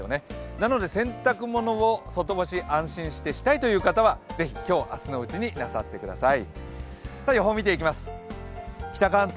なので洗濯物を外干し、安心してしたいという方は、ぜひ今日、明日のうちになさってください。